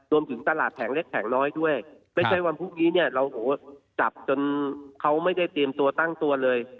ตลาดแผงเล็กแผงน้อยด้วยไม่ใช่วันพรุ่งนี้เนี่ยเราโหจับจนเขาไม่ได้เตรียมตัวตั้งตัวเลย